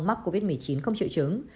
mắc covid một mươi chín không triệu chứng